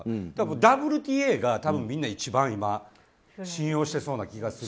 ＷＴＡが、みんなが一番信用してそうな気がする。